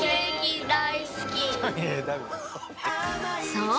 そう！